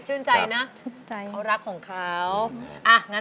ชื่นใจนะ